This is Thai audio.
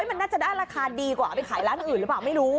มันน่าจะได้ราคาดีกว่าไปขายร้านอื่นหรือเปล่าไม่รู้